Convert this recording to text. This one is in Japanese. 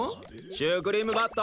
シュークリーム・バット！